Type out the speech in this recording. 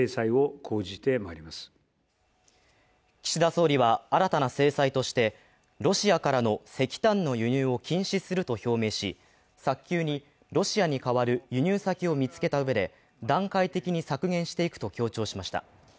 岸田総理は新たな制裁としてロシアからの石炭の輸入を禁止すると表明し、早急にロシアに代わる輸入先を見つけたうえで段階的に削減していくと強調しました。